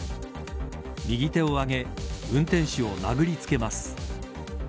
右手を上げ運転手を殴りつけます。